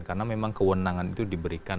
karena memang kewenangan itu diberikan